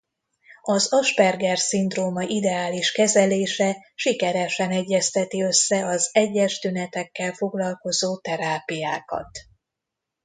Az Asperger-szindróma ideális kezelése sikeresen egyezteti össze az egyes tünetekkel foglalkozó terápiákat.